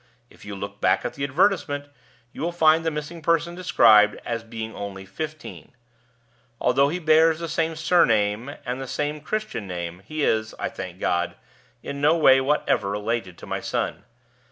If you look back at the advertisement, you will find the missing person described as being only fifteen. Although he bears the same surname and the same Christian name, he is, I thank God, in no way whatever related to my son.